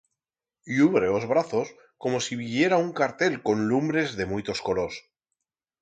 Y ubre os brazos como si viyera un cartel con lumbres de muitos colors.